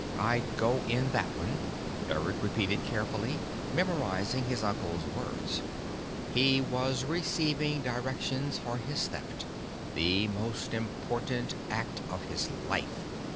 "I go in that one," Eric repeated carefully, memorizing his uncle's words. He was receiving directions for his Theft, the most important act of his life!